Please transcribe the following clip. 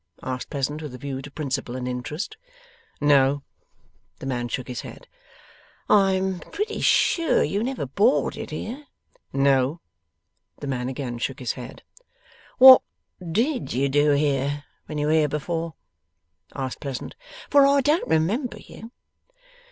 asked Pleasant, with a view to principal and interest. 'No.' The man shook his head. 'I am pretty sure you never boarded here?' 'No.' The man again shook his head. 'What DID you do here when you were here before?' asked Pleasant. 'For I don't remember you.